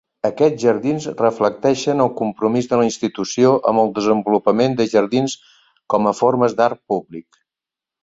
Aquests jardins reflecteixen el compromís de la institució amb el desenvolupament de jardins com a formes d'art públic.